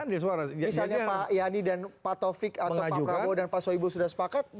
misalnya pak yani dan pak taufik atau pak prabowo dan pak soebul sudah sepakat